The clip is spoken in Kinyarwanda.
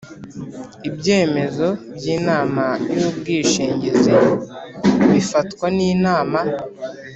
Ibyemezo by‘Inama y’ubwishingizi bifatwa niNama